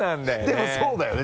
でもそうだよね